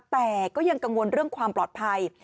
แต่ก็ยังกังวลเรื่องความปลอดภัย